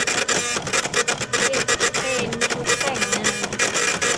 สิบ เทรนด์ชุดแต่งงาน